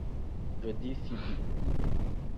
Jody Phibi